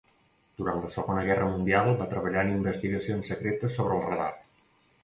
Durant la Segona Guerra Mundial va treballar en investigacions secretes sobre el radar.